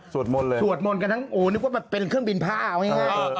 สวดมนต์เลยเหรอสวดมนต์กันทั้งโอ้วนึกว่าเป็นเครื่องบินพ่าเอาไง